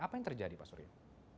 apa yang terjadi pak surya